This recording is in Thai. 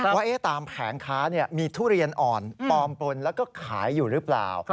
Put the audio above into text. ว่าตามแผงค้ามีทุเรียนอ่อนปลอมปลนแล้วก็ขายอยู่หรือเปล่า